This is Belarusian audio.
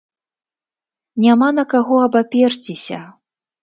Няма на каго абаперціся!